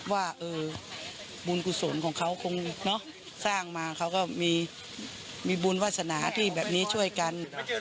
ว่าบุญกุศลของเขาคงสร้างมาเขาก็มีบุญวาสนาที่แบบนี้ช่วยกัน